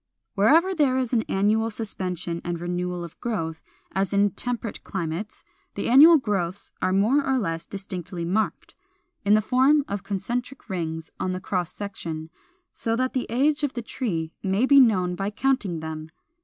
Wherever there is an annual suspension and renewal of growth, as in temperate climates, the annual growths are more or less distinctly marked, in the form of concentric rings on the cross section, so that the age of the tree may be known by counting them.